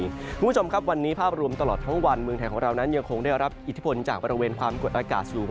คุณผู้ชมครับวันนี้ภาพรวมตลอดทั้งวันเมืองไทยของเรานั้นยังคงได้รับอิทธิพลจากบริเวณความกดอากาศสูง